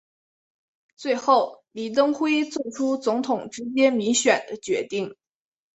最后李登辉做出总统直接民选的决定。